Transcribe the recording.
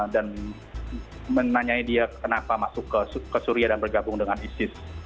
dan menanyai dia kenapa masuk ke suria dan bergabung dengan isis